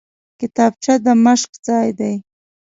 کتابچه د مشق ځای دی